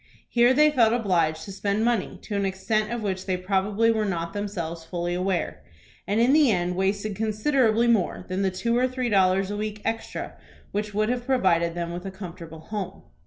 Here they felt obliged to spend money to an extent of which they probably were not themselves fully aware; and in the end wasted considerably more than the two or three dollars a week extra which would have provided them with a comfortable home.